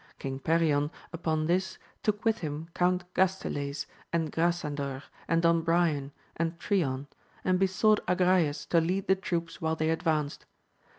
King Perion upon this took with him Count Gastiles, and Grasandor and Don Brian and Trion, and besought Agrayes to lead the troops while they advanced.